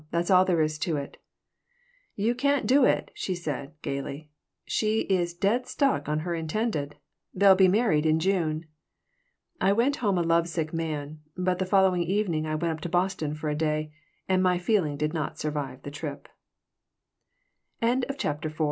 That's all there is to it." "You can't do it," she said, gaily. "She is dead stuck on her intended. They'll be married in June." I went home a lovesick man, but the following evening I went to Boston for a day, and my feeling did not survive the trip CHAPTER V THAT journey to Boston is fixed in my memory by an